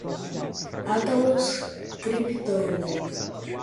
átomos, criptônio